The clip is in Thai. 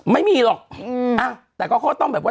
ไม่มีหรอกแต่ก็เขาก็ต้องแบบว่า